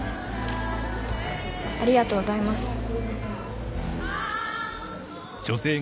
ありがとうございます。